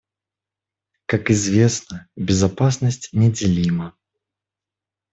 Как известно, безопасность — неделима.